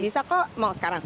bisa kok mau sekarang